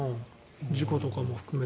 事故とかも含めて。